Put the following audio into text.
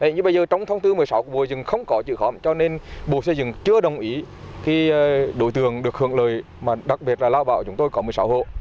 như bây giờ trong thông tư một mươi sáu của bộ xây dựng không có chữ khóm cho nên bộ xây dựng chưa đồng ý khi đổi tường được hưởng lời mà đặc biệt là lao bạo chúng tôi có một mươi sáu hộ